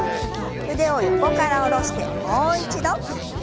腕を横から下ろしてもう一度。